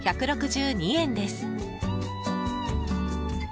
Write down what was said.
１６２円です。